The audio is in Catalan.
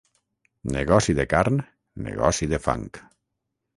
Negoci de carn, negoci de fang.